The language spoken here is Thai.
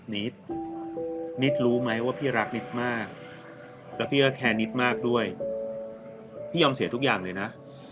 นิดนิดรู้ไหมว่าพี่รักนิดมากแล้วพี่ก็แคร์นิดมากด้วยพี่ยอมเสียทุกอย่างเลยนะ